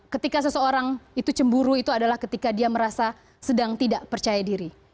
ketika seseorang itu cemburu itu adalah ketika dia merasa sedang tidak percaya diri